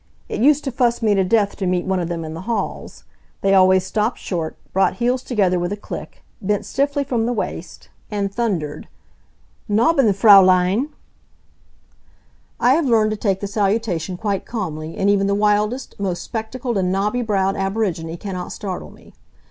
It used to fuss me to death to meet one of them in the halls. They always stopped short, brought heels together with a click, bent stiffly from the waist, and thundered: "Nabben', Fraulein!" I have learned to take the salutation quite calmly, and even the wildest, most spectacled and knobby browed aborigine cannot startle me.